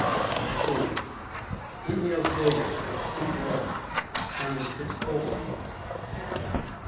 (2) Inhale slowly a Complete Breath, counting six pulse units.